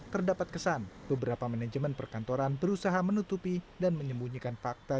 terdapat kesan beberapa manajemen perkantoran berusaha menutupi dan menyembunyikan fakta